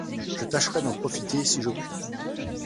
Je tâcherai d'en profiter, si je puis.